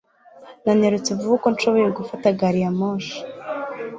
Nanyarutse vuba uko nshoboye gufata gari ya moshi